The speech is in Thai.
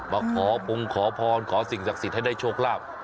มาขอพงขอพรขอสิ่งศักดิ์สิทธิ์ให้ได้โชคลาภ